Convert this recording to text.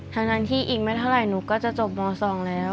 ทั้งนั้นที่อีกไม่เท่าไหร่หนูก็จะจบม๒แล้ว